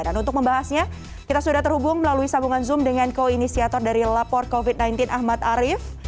dan untuk membahasnya kita sudah terhubung melalui sambungan zoom dengan koinisator dari lapor covid sembilan belas ahmad arief